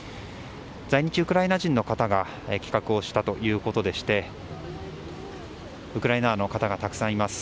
在日ウクライナ人の方が企画をしたということでしてウクライナの方がたくさんいます。